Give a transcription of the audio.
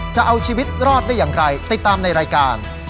จะเอาชีวิตรอดได้อย่างไรติดตามในรายการ